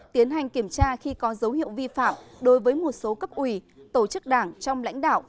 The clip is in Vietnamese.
tiến hành kiểm tra khi có dấu hiệu vi phạm đối với một số cấp ủy tổ chức đảng trong lãnh đạo